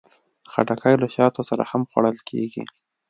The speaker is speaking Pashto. خټکی له شاتو سره هم خوړل کېږي.